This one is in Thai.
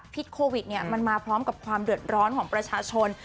โควิดมันมาพร้อมกับความเดือดร้อนของประชาชน